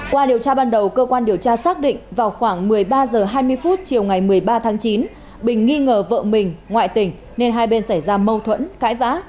qua điều tra ban đầu cơ quan điều tra xác định vào khoảng một mươi ba h hai mươi phút chiều ngày một mươi ba tháng chín bình nghi ngờ vợ mình ngoại tình nên hai bên xảy ra mâu thuẫn cãi vã